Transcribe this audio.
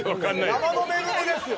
山の恵みですよ。